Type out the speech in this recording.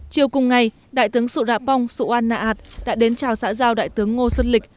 chiều cùng ngày đại tướng sụ rạpong sụ an nạ ảt đã đến chào xã giao đại tướng ngô xuân lịch